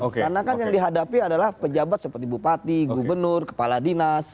karena kan yang dihadapi adalah pejabat seperti bupati gubernur kepala dinas